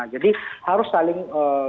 jadi harus saling